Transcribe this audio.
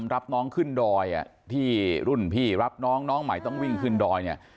รับน้องขึ้นดอยที่รุ่นพี่รับน้องน้องใหม่ต้องวิ่งขึ้นดอยเนี่ย